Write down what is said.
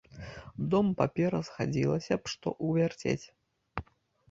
Дома папера згадзілася б што ўвярцець.